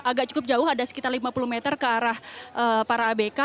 agak cukup jauh ada sekitar lima puluh meter ke arah para abk